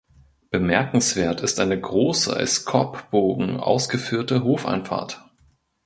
Bemerkenswert ist eine große als Korbbogen ausgeführte Hofeinfahrt.